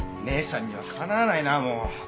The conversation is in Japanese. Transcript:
姉さんにはかなわないな。